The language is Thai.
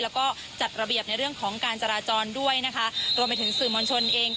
แล้วก็จัดระเบียบในเรื่องของการจราจรด้วยนะคะรวมไปถึงสื่อมวลชนเอง